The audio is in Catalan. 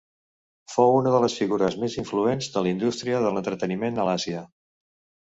Fou una de les figures més influents de la indústria de l'entreteniment a l'Àsia.